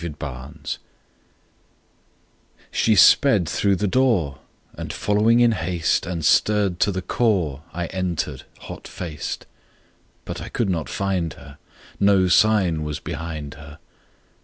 THE GLIMPSE SHE sped through the door And, following in haste, And stirred to the core, I entered hot faced; But I could not find her, No sign was behind her.